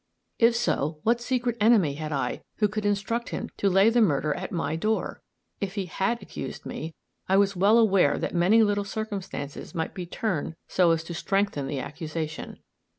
If so, what secret enemy had I who could instruct him to lay the murder at my door? If he had accused me, I was well aware that many little circumstances might be turned so as to strengthen the accusation.